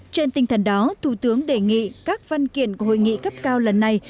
trên tinh thần đó thủ tướng đề nghị các văn kiện của hội nghị cấp cao lần này